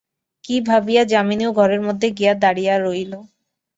কী ভাবিয়া যামিনীও ঘরের মধ্যে গিয়া দাড়াইয়া রহিল।